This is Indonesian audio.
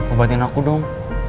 obatin aku dong